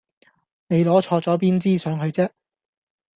你攞錯咗邊支上去啫